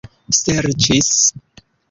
serĉis